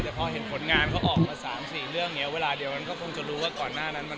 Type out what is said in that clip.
แต่พอเห็นผลงานเขาออกมา๓๔เรื่องนี้เวลาเดียวมันก็คงจะรู้ว่าก่อนหน้านั้นมัน